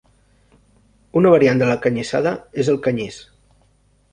Una variant de la canyissada és el canyís.